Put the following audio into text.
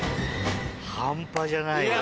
半端じゃないよ。